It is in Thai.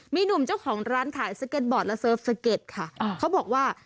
มีหนุ่มเจ้าของร้านขายและเขาบอกว่า